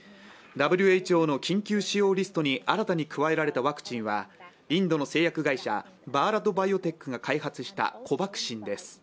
ＷＨＯの緊急使用リストに新たに加えられたワクチンはインドの製薬会社、バーラト・バイオテックが開発したコバクシンです。